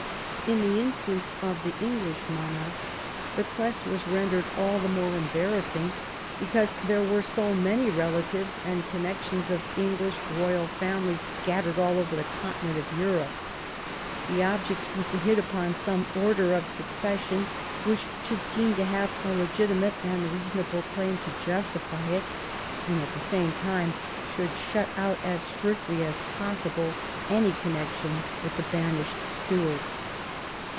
In the instance of the English monarch the quest was rendered all the more embarrassing because there were so many rela 8 THE WOMAN BORN TO BE QUEEN tives and connections of English royal families scat tered all over the continent of Europe. The object was to hit upon some order of succession which should seem to have a legitimate and reasonable claim to justify it, and, at the same time, should shut out as strictly as possible any connection with the banished Stuarts.